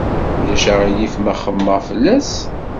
Ulac aɣilif ma xemmemeɣ fell-as?